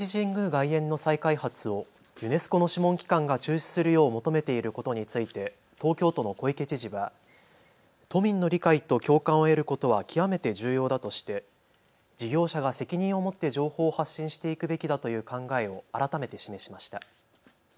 外苑の再開発をユネスコの諮問機関が中止するよう求めていることについて東京都の小池知事は都民の理解と共感を得ることは極めて重要だとして事業者が責任を持って情報を発信していくべきだという考えを改めて示しました。